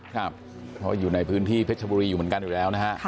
เพราะอยู่ในพื้นที่เพชรบุรีอยู่เหมือนกันอยู่แล้วนะฮะ